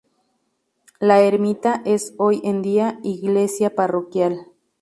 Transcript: La ermita es hoy en día iglesia parroquial.